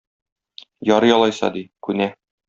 Ярый алайса, - ди, күнә.